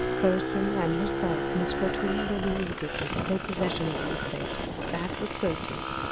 Thurston and herself must go to England immediately to take possession of the estate; that was certain.